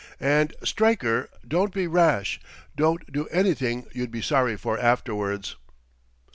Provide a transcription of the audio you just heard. And, Stryker, don't be rash; don't do anything you'd be sorry for afterwards."